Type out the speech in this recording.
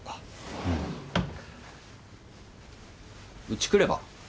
うち来れば？